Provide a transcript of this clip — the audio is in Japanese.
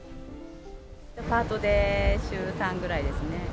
パートで週３ぐらいですね。